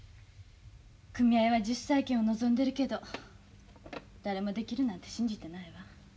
組合は自主再建を望んでるけど誰もできるなんて信じてないわ。